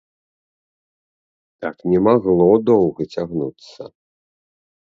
Так не магло доўга цягнуцца.